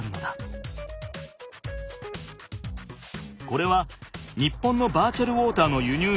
これは日本のバーチャルウォーターの輸入量を表した地図。